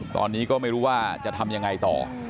ตอนนี้ก็ไม่รู้ว่าจะทำยังไงต่อ